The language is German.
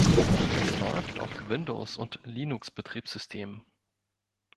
Es läuft auf Windows- und Linux-Betriebssystemen.